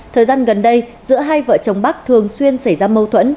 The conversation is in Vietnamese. thời gian gần đây giữa hai vợ chồng bắc thường xuyên xảy ra mâu thuẫn